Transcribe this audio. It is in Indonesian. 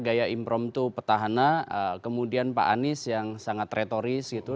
gaya improm to petahana kemudian pak anies yang sangat retoris gitu